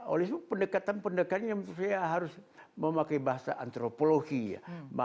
oleh itu pendekatan pendekannya menurut saya harus memakai bahasa antropologi ya maka kearifan lokal itu kan penting sekali